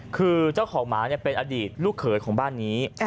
คือเจ้าของหมาเป็นอดีตลูกเขยของบ้านนี้